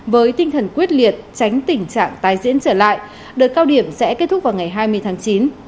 với tinh thần quyết liệt tránh tình trạng tái diễn trở lại đợt cao điểm sẽ kết thúc vào ngày hai mươi tháng chín